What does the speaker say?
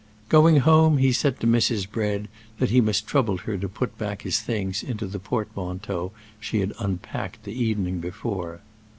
Going home, he said to Mrs. Bread that he must trouble her to put back his things into the portmanteau she had unpacked the evening before.